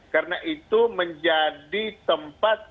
karena itu menjadi tempat